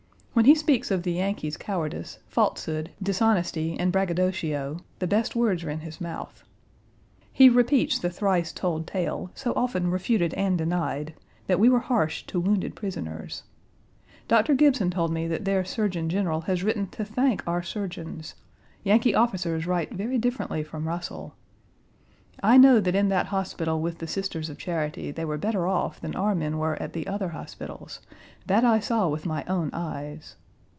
When he speaks of the Yankees' cowardice, falsehood, dishonesty, and braggadocio, the best words are in his mouth. He repeats the thrice told tale, so often refuted and denied, that we were harsh to wounded prisoners. Dr. Gibson told me that their surgeon general has written to thank our surgeons: Yankee officers write very differently from Russell. I know that in that hospital with the Sisters of Charity they were better off than our men were at the other hospitals: that I saw with my own eyes.